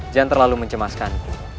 jangan terlalu mencemaskan